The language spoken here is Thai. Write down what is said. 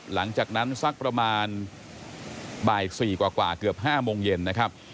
หลังจากนั้นสักประมาณบ่าย๔กว่าเกือบ๕โมงเย็นนะครับ